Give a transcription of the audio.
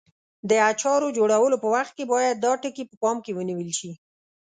د اچارو جوړولو په وخت کې باید دا ټکي په پام کې ونیول شي.